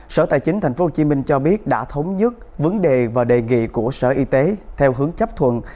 sở tài chính tp hcm cho biết đã thống nhất vấn đề và đề nghị của sở y tế theo hướng chấp thuận